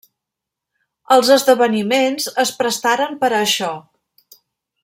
Els esdeveniments es prestaren per a això.